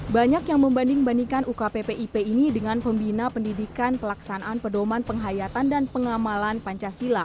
banyak yang membanding bandingkan ukppip ini dengan pembina pendidikan pelaksanaan pedoman penghayatan dan pengamalan pancasila